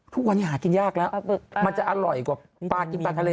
ทุกวันนี้หากินยากแล้วมันจะอร่อยกว่าปลากินปลาทะเล